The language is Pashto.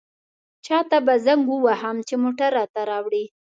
چاته به زنګ ووهم چې موټر راته راوړي.